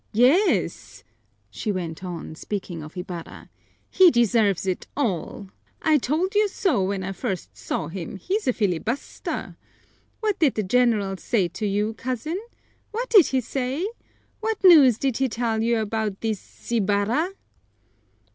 "Yez," she went on, speaking of Ibarra, "he deserves it all. I told you zo when I first zaw him, he's a filibuzter. What did the General zay to you, cousin? What did he zay? What news did he tell you about thiz Ibarra?"